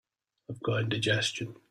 I've got indigestion.